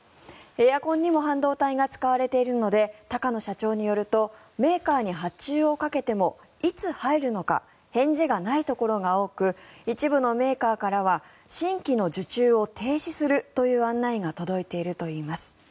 エアコンにも半導体が使われているので高野社長によるとメーカーに発注をかけてもいつ入るのか返事がないところが多く一部のメーカーからは新規の受注を停止するという案内が届いているといいます。